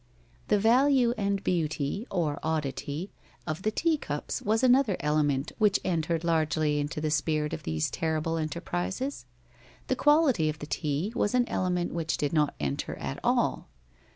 The value and beauty, or oddity, of the tea cups was another element which entered largely into the spirit of these terrible enterprises. The quality of the tea was an element which did not enter at all.